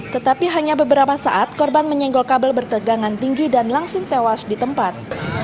tetapi hanya beberapa saat korban menyenggol kabel bertegangan tinggi dan langsung tewas di tempat